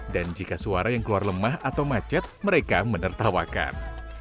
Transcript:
dan jika suara yang keluar lemah atau macet mereka menertawakan